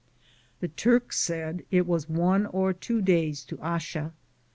The Turk said it was one or two days to Haya (Haxa).